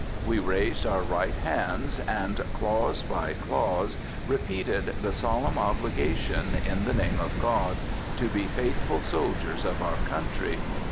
We raised our right hands, and, clause by clause, repeated the solemn obligation, in the name of God, to be faithful soldiers of our country.